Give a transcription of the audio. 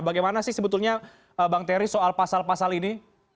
bagaimana sih sebetulnya bang terry soal pasal pasal ini